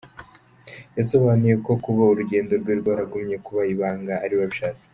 Yasobanuye ko kuba urugendo rwe rwaragumye kuba ibanga, ari we wabishatse.